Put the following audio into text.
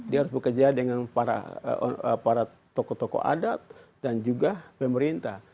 dia harus bekerja dengan para tokoh tokoh adat dan juga pemerintah